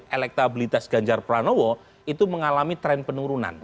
elektabilitas ganjar pranowo itu mengalami tren penurunan